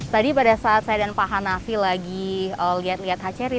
tadi pada saat saya dan pak hanafi lagi lihat lihat hachery